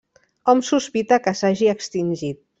Hom sospita que s'hagi extingit.